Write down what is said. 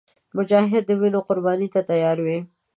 مجاهد د وینو قرباني ته تیار وي.